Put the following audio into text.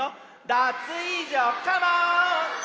ダツイージョカモン！